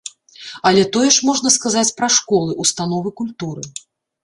Але тое ж можна сказаць пра школы, установы культуры.